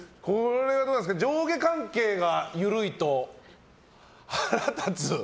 上下関係が緩いと腹立つ。